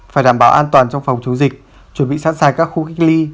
phải đảm bảo an toàn trong phòng chống dịch chuẩn bị sẵn sàng các khu cách ly